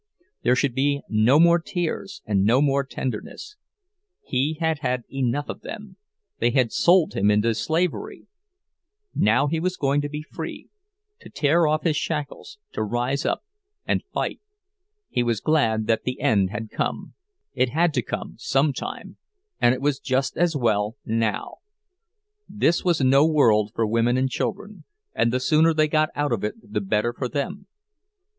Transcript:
There should be no more tears and no more tenderness; he had had enough of them—they had sold him into slavery! Now he was going to be free, to tear off his shackles, to rise up and fight. He was glad that the end had come—it had to come some time, and it was just as well now. This was no world for women and children, and the sooner they got out of it the better for them.